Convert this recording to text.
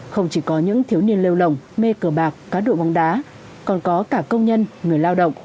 không chỉ có những thiếu niên lêu lồng mê cờ bạc cá độ bóng đá còn có cả công nhân người lao động